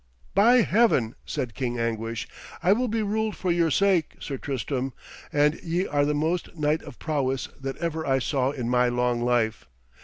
'By Heaven,' said King Anguish, 'I will be ruled for your sake, Sir Tristram, as ye are the most knight of prowess that ever I saw in my long life.